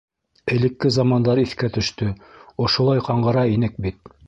Элекке замандар иҫкә төштө: ошолай ҡаңғыра инек бит.